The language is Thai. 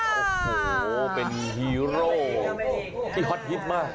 โอ้โหเป็นฮีโร่ที่ฮอตฮิตมาก